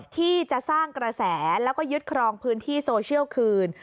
ที่จะสร้างกระแสแล้วก็ยึดครองพื้นที่โซเชียลคืน